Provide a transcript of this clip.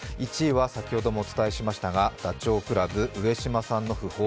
１位は先ほどもお伝えしましたがダチョウ倶楽部・上島さんの訃報。